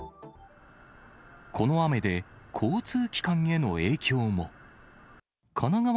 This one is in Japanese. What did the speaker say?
この雨で、交通機関への影響も。